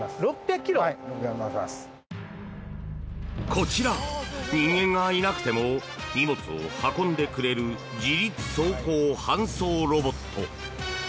こちら、人間がいなくても荷物を運んでくれる自律走行搬送ロボット。